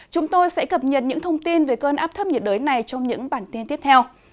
chúng tôi sẽ cập nhật những thông tin về cơn áp thấp nhiệt đới này trong những bản tin tiếp theo